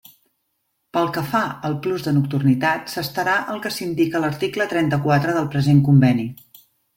Pel que fa al plus de nocturnitat s'estarà al que s'indica a l'article trenta-quatre del present conveni.